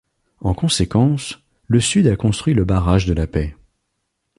En conséquence, le Sud a construit le barrage de la paix.